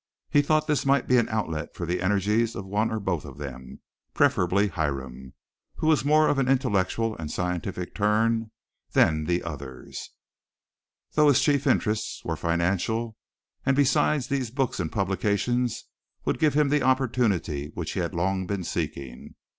He thought this might be an outlet for the energies of one or both of them, preferably Hiram, who was more of an intellectual and scientific turn than the others, though his chief interests were financial; and besides these books and publications would give him the opportunity which he had long been seeking.